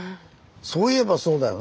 そういえばそうだよ